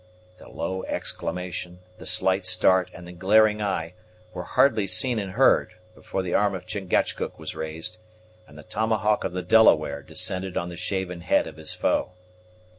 The low exclamation, the slight start, and the glaring eye, were hardly seen and heard, before the arm of Chingachgook was raised, and the tomahawk of the Delaware descended on the shaven head of his foe.